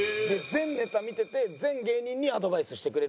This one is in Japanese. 全ネタ見てて全芸人にアドバイスしてくれるし。